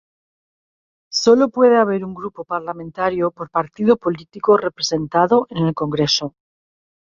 Sólo puede haber un grupo parlamentario por Partido Político representado en el Congreso.